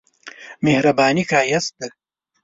مهرباني ښايست ده.